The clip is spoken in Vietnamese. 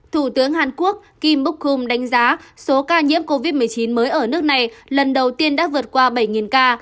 thủ tướng hàn quốc kim bok hom đánh giá số ca nhiễm covid một mươi chín mới ở nước này lần đầu tiên đã vượt qua bảy ca